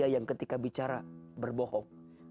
yang ketika bicara berbohong